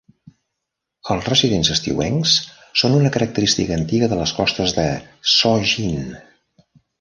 Els residents estiuencs són una característica antiga de les costes de Saugeen.